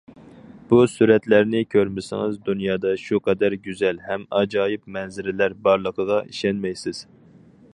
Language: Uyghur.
بۇ سۈرەتلەرنى كۆرمىسىڭىز، دۇنيادا شۇ قەدەر گۈزەل ھەم ئاجايىپ مەنزىرىلەر بارلىقىغا ئىشەنمەيسىز.